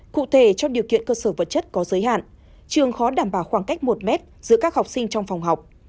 cụ thể trong điều kiện cơ sở vật chất có giới hạn trường khó đảm bảo khoảng cách một mét giữa các học sinh trong phòng học